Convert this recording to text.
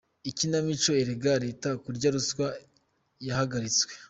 Ikinamico irega Leta kurya ruswa yahagaritswe